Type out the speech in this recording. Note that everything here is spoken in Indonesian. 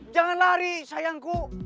jangan lari sayangku